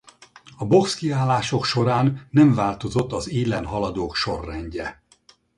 A boxkiállások során nem változott az élen haladók sorrendje.